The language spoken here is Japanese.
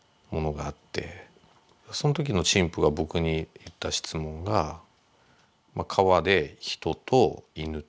その時の神父が僕に言った質問が「川で人と犬と」。